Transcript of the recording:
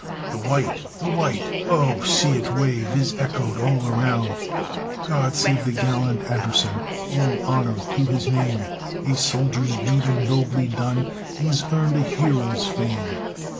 The white! the white! Oh see it wave! Is echoed all around. God save the gallant Anderson, All honor to his name, A soldier's duty nobly done, He's earned a hero's fame.